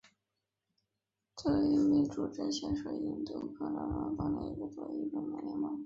左翼民主阵线是印度喀拉拉邦的一个左翼政党联盟。